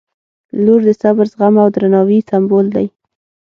• لور د صبر، زغم او درناوي سمبول دی.